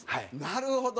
なるほど。